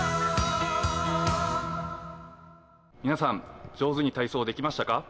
皆さん上手に体操できましたか？